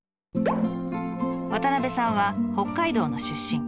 渡部さんは北海道の出身。